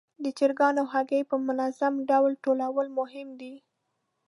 د چرګانو هګۍ په منظم ډول ټولول مهم دي.